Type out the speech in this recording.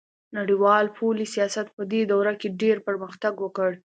نړیوال پولي سیاست پدې دوره کې ډیر پرمختګ وکړ